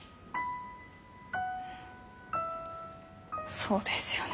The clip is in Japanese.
そうですよね。